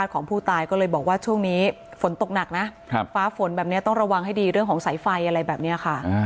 ของผู้ตายก็เลยบอกว่าช่วงนี้ฝนตกหนักนะฟ้าฝนแบบนี้ต้องระวังให้ดีเรื่องของสายไฟอะไรแบบนี้ค่ะ